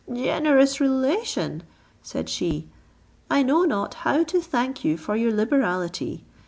"Generous relation!" said she, "I know not how to thank you for your liberality!